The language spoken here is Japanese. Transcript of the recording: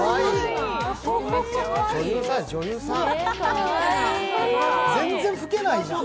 女優さん、女優さん、全然老けないじゃん。